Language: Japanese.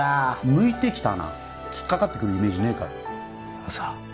「向いてきた」なつっかかってくるイメージねえからでもさ